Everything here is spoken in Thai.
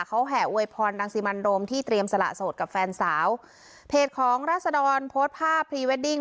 เขาแห่อวยพรรังสิมันโรมที่เตรียมสละโสดกับแฟนสาวเพจของราศดรโพสต์ภาพพรีเวดดิ้ง